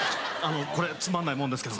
これつまんないもんですけど。